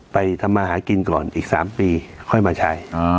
ทำมาหากินก่อนอีก๓ปีค่อยมาใช้